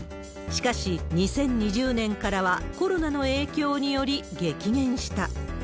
しかし、２０２０年からはコロナの影響により激減した。